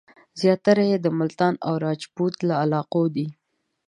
زیاتره یې د ملتان او راجپوت له علاقو دي.